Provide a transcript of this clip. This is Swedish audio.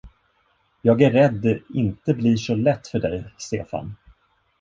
Jag är rädd det inte blir så lätt för dig, Stefan.